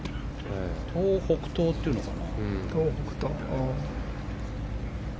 東北東っていうのかな。